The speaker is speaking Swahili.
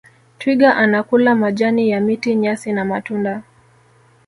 twiga anakula majani ya miti nyasi na matunda